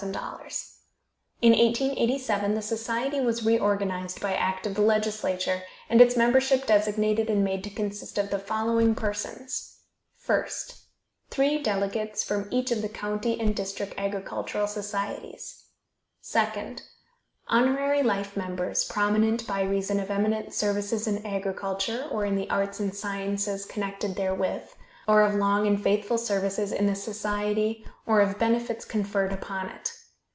In 1887 the society was reorganized by act of the legislature, and its membership designated and made to consist of the following persons: First Three delegates from each of the county and district agricultural societies. Second Honorary life members, prominent by reason of eminent services in agriculture, or in the arts and sciences connected therewith, or of long and faithful services in the society, or of benefits conferred upon it.